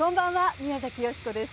宮崎美子です。